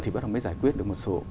thì bắt đầu mới giải quyết được một số